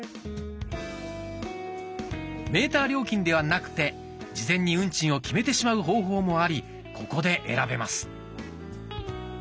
メーター料金ではなくて事前に運賃を決めてしまう方法もありここで選べます。